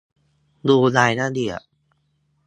ดูรายละเอียด